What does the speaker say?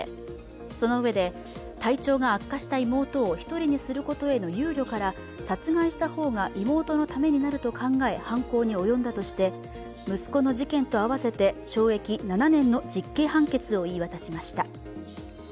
そのうえで、体調が悪化した妹を１人にすることへの憂慮から殺害した方が妹のためになると考え、犯行に及んだとして息子の事件と合わせて懲役７年の実刑判決を言い渡しました。